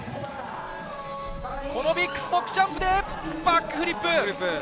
このビッグジャンプでバックフリップ。